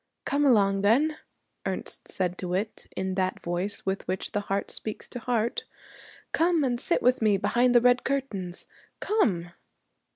'Come along then,' Ernest said to it, in that voice with which heart speaks to heart; 'come and sit with me behind the red curtains. Come!'